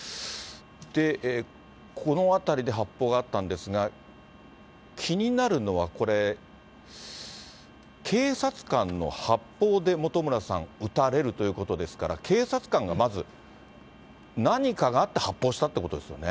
で、この辺りで発砲があったんですが、気になるのはこれ、警察官の発砲で、本村さん、撃たれるということですから、警察官がまず、何かがあって発砲したということですよね。